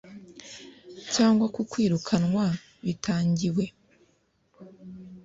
cyangwa ku kwirukanwa bitangiwe